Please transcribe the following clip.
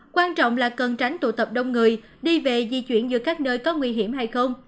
quan trọng là cần tránh tụ tập đông người đi về di chuyển giữa các nơi có nguy hiểm hay không